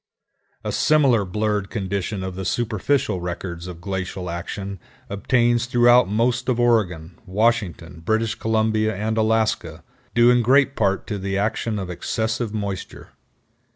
A similar blurred condition of the superficial records of glacial action obtains throughout most of Oregon, Washington, British Columbia, and Alaska, due in great part to the action of excessive moisture.